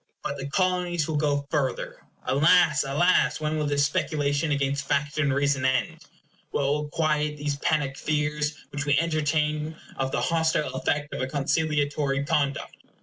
But the Colonies will go further. Alas! alas! when will this speculation against fact and reason end? What will quiet these panic fears which we entertain of the hostile effect of a conciliatory conduct?